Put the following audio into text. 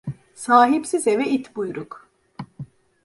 Sahipsiz eve it buyruk.